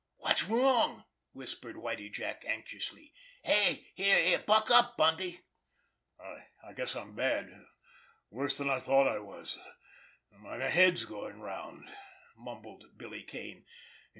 "Wot's wrong?" whispered Whitie Jack anxiously. "Here, buck up, Bundy!" "I guess I'm bad—worse than I thought I was—my head's going round," mumbled Billy Kane.